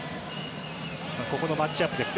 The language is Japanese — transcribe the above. ここのマッチアップです。